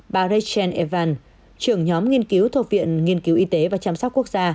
bà rachel evans trưởng nhóm nghiên cứu thuộc viện nghiên cứu y tế và chăm sóc quốc gia